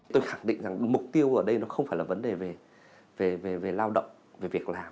tôi khẳng định rằng mục tiêu ở đây nó không phải là vấn đề về lao động về việc làm